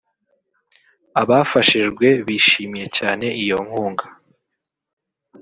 Abafashijwe bishimiye cyane iyo nkunga